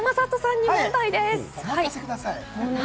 おまかせください。